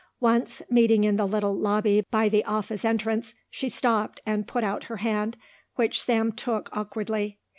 Once, meeting in the little lobby by the office entrance, she stopped and put out her hand which Sam took awkwardly.